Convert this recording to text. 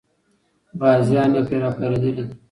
غازیان یې پرې راپارېدلي دي.